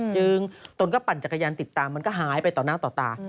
ตนก็ปั่นจักรยานติดตามมันก็หายไปต่อหน้าต่อตา